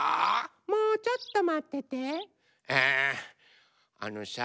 もうちょっとまってて。